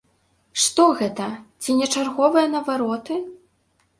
Што гэта, ці не чарговыя навароты?